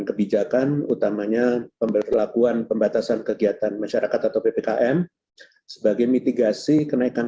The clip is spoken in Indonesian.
kebijakan utamanya pemberlakuan pembatasan kegiatan masyarakat atau ppkm sebagai mitigasi kenaikan